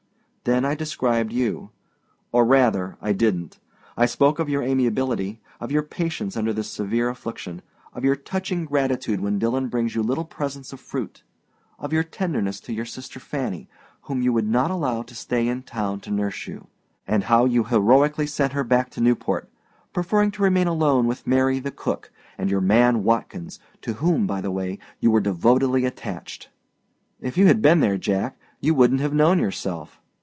Then I described you; or, rather, I didnât. I spoke of your amiability, of your patience under this severe affliction; of your touching gratitude when Dillon brings you little presents of fruit; of your tenderness to your sister Fanny, whom you would not allow to stay in town to nurse you, and how you heroically sent her back to Newport, preferring to remain alone with Mary, the cook, and your man Watkins, to whom, by the way, you were devotedly attached. If you had been there, Jack, you wouldnât have known yourself.